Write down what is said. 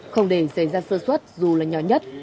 không để xảy ra sơ xuất dù là nhỏ nhất